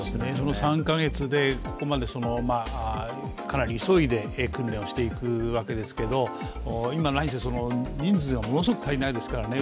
この３か月で、ここまでかなり急いで訓練をしていくわけですけれども、今なにせ人数がものすごく少ないですからね。